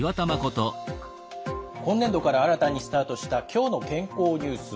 今年度から新たにスタートした「きょうの健康ニュース」。